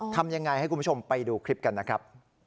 ทำยังไงให้คุณผู้ชมไปดูคลิปกันนะครับ